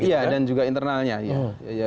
iya dan juga internalnya